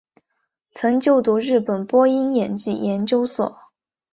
曾就读日本播音演技研究所。